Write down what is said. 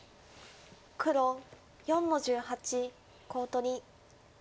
黒４の十八コウ取り。